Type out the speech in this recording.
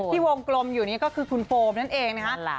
วงกลมอยู่นี่ก็คือคุณโฟมนั่นเองนะคะ